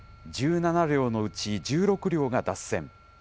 １７両のうち１６両が脱線。